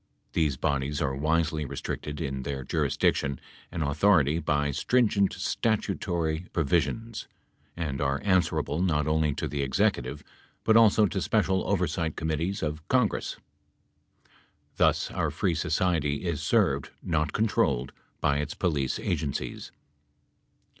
These bodies are wisely restricted in their jurisdiction and authority by stringent statutory provisions and are answerable not only to the Executive but also to special oversight committees of Congress. Thus our free society is served, not controlled, by its police agencies.